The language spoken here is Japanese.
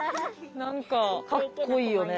かっこいいよね。